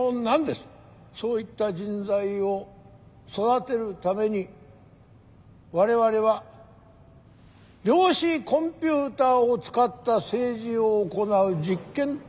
そういった人材を育てるために我々は量子コンピューターを使った政治を行う実験都市を造り上げました。